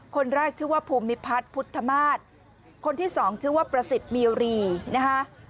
คนแรกชื่อว่าภูมิพัฒน์พุทธมาศคนที่สองชื่อว่าประสิทธิ์มีรีนะคะ